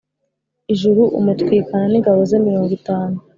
ijuru umutwikana n ingabo ze mirongo itanu